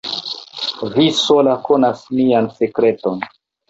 Vi sola konas mian sekreton.